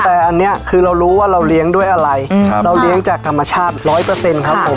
แต่อันนี้คือเรารู้ว่าเราเลี้ยงด้วยอะไรเราเลี้ยงจากธรรมชาติร้อยเปอร์เซ็นต์ครับผม